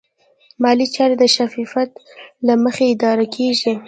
مالي چارې د شفافیت له مخې اداره کېږي.